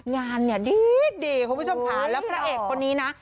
งานเนี่ยดีคุณผู้ชมค่ะแล้วพระเอกคนนี้นะ